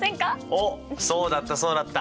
おっそうだったそうだった。